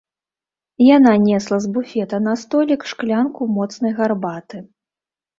Яна несла з буфета на столік шклянку моцнай гарбаты.